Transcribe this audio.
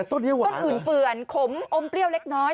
ต้นอื่นเฟื่อนขมอมเปรี้ยวเล็กน้อย